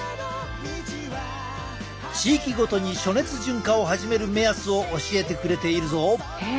地域ごとに暑熱順化を始める目安を教えてくれているぞ。